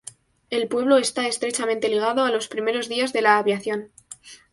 El pueblo está estrechamente ligado a los primeros días de la aviación.